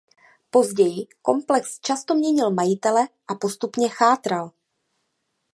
Později komplex často měnil majitele a postupně chátral.